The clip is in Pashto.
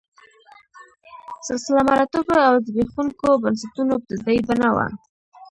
سلسله مراتبو او زبېښونکو بنسټونو ابتدايي بڼه وه.